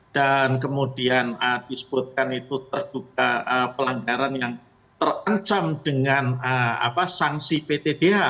dan kemudian disebutkan itu terduga pelanggaran yang terancam dengan sanksi ptdh